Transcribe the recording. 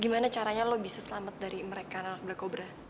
gimana caranya lo bisa selamat dari mereka anak anak black cobra